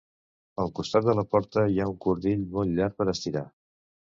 Al costat de la porta hi ha un cordill molt llarg per estirar.